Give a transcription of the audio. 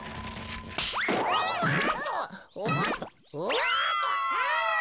うわ！